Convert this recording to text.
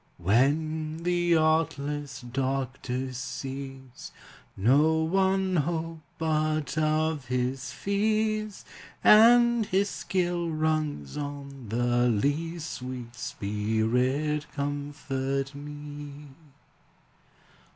When the artless doctor sees No one hope but of his fees, And his skill runs on the lees, Sweet Spirit, comfort me!